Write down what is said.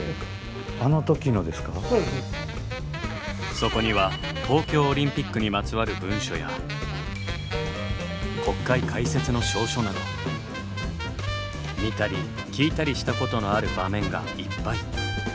そこには東京オリンピックにまつわる文書や国会開設の詔書など見たり聞いたりしたことのある場面がいっぱい。